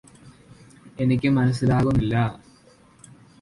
എനിക്ക് മനസ്സിലാവുന്നില്ലാ